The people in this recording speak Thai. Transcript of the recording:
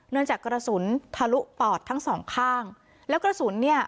จากกระสุนทะลุปอดทั้งสองข้างแล้วกระสุนเนี่ย